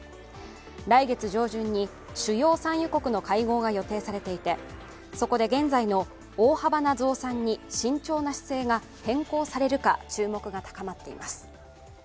来月上旬に主要産油国の会合が予定されていてそこで現在の大場な増産に慎重な姿勢が変更されるか注目が高まっています。